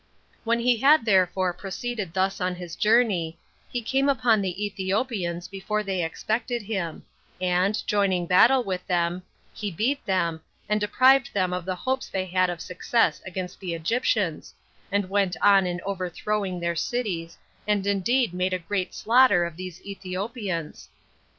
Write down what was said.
When he had therefore proceeded thus on his journey, he came upon the Ethiopians before they expected him; and, joining battle with them, he beat them, and deprived them of the hopes they had of success against the Egyptians, and went on in overthrowing their cities, and indeed made a great slaughter of these Ethiopians.